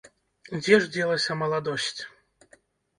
Дзе ж дзелася маладосць?